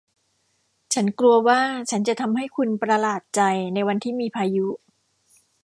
ฉันกลัวว่าฉันจะทำให้คุณประหลาดใจ ในวันที่มีพายุ